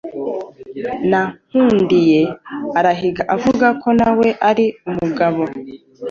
na Nkundiye arahiga avuga ko na we ari umugabo